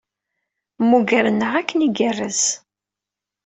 Mmugren-aɣ akken igerrez.